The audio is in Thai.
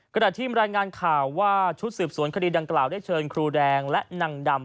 ขณะที่รายงานข่าวว่าชุดสืบสวนคดีดังกล่าวได้เชิญครูแดงและนางดำ